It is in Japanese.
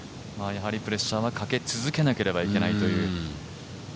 プレッシャーはかけ続けなければいけないという。